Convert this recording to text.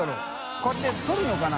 こうやってとるのかな？